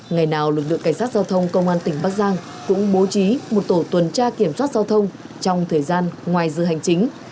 ngày nào lực lượng cảnh sát giao thông công an tỉnh bắc giang cũng bố trí một tổ tuần tra kiểm soát giao thông trong thời gian ngoài giờ hành chính